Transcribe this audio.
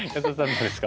どうですか？